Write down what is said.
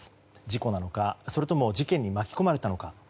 事故なのか、それとも事件に巻き込まれたのか。